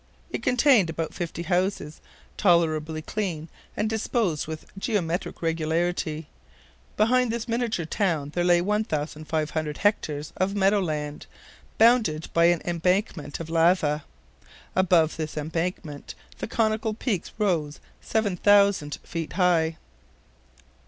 It contained about fifty houses, tolerably clean, and disposed with geometrical regularity. Behind this miniature town there lay 1,500 hectares of meadow land, bounded by an embankment of lava. Above this embankment, the conical peak rose 7,000 feet high.